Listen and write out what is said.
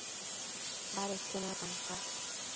Badedquio natan ca